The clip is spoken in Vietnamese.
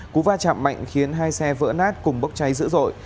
cú va chạm mạnh khiến hai xe vỡ nát cùng bốc cháy dữ dội